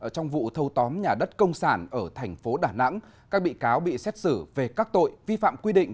trong vụ thâu tóm nhà đất công sản ở thành phố đà nẵng các bị cáo bị xét xử về các tội vi phạm quy định